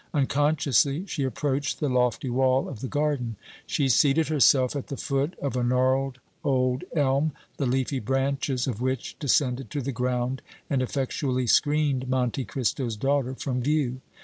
Unconsciously she approached the lofty wall of the garden. She seated herself at the foot of a gnarled old elm, the leafy branches of which descended to the ground and effectually screened Monte Cristo's daughter from view.